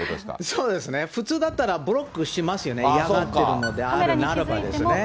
そうですね、普通だったら、ブロックしますよね、嫌がってるのであるならばですね。